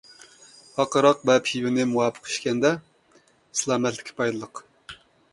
ئاق ھاراق ۋە پىۋىنى مۇۋاپىق ئىچكەندە، سالامەتلىككە پايدىلىق.